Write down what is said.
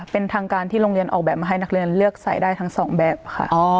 เป็นทางการที่โรงเรียนออกแบบมาให้นักเรียนเลือกใส่ได้ทั้งสองแบบค่ะ